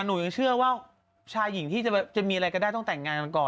หนูยังเชื่อว่าชายหญิงที่จะมีอะไรก็ได้ต้องแต่งงานกันก่อน